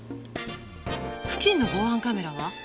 付近の防犯カメラは？